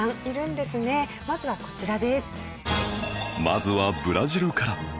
まずはブラジルから